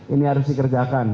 ini harus dikerjakan